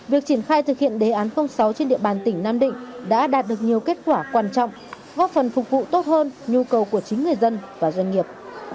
việc triển khai thực hiện đề án sáu trên địa bàn tỉnh nam định đã đạt được nhiều kết quả quan trọng góp phần phục vụ tốt hơn nhu cầu của chính người dân và doanh nghiệp